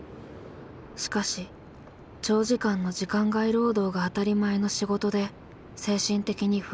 しかし長時間の時間外労働が当たり前の仕事で精神的に不安定に。